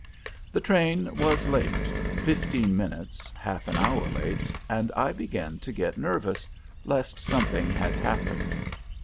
The train was late, fifteen minutes, half an hour late, and I began to get nervous, lest something had happened.